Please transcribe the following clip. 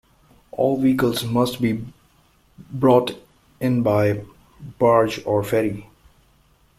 All vehicles must be brought in by barge or ferry.